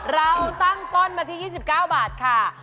เราตั้งต้นมาที่๒๙บาทค่ะ